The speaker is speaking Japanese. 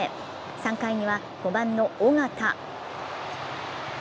３回には５番の尾形。